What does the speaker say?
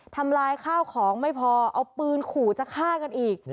ทำลายข้าวของไม่พอเอาปืนขู่จะฆ่ากันอีก